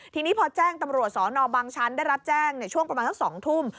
ทีนี้พอแจ้งตำรวจสนบางชั้นได้รับแจ้งช่วงประมาณสัก๒ทุ่ม